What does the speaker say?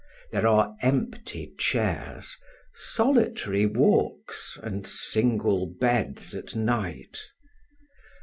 There are empty chairs, solitary walks, and single beds at night.